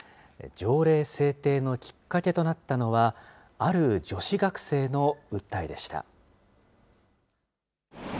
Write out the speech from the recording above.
条例制定のきっかけとなったのは、ある女子学生の訴えでした。